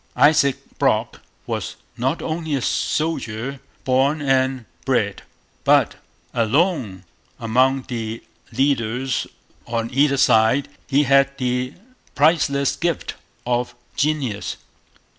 Isaac Brock was not only a soldier born and bred, but, alone among the leaders on either side, he had the priceless gift of genius.